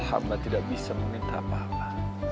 hama tidak bisa meminta apa apa